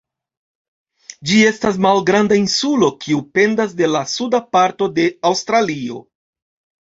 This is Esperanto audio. Ĝi estas malgranda insulo, kiu pendas de la suda parto de Aŭstralio.